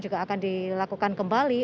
juga akan dilakukan kembali